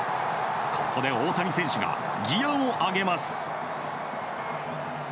ここで大谷選手がギアを上げます。